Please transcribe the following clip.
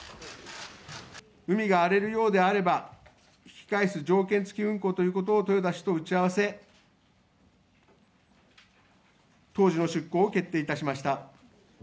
海が荒れるようであれば、引き返す条件付き運航ということを豊田氏と打ち合わせ、当時の出航を決定いたしました。